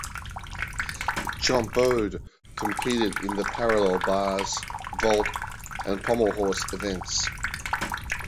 Champaud competed in the parallel bars, vault, and pommel horse events.